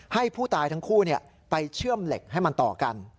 ให้ผู้ตายทั้งคู่ไปเชื่อมเหล็กให้มันต่อกัน